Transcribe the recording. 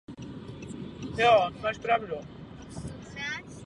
Georg Christoph Bach byl synem Christopha Bacha.